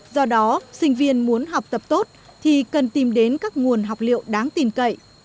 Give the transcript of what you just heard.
do đó sinh viên muốn học tập tốt thì cần tìm đến các nguồn học liệu đáng tin cậy